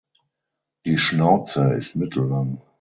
Die Schnauze ist mittellang.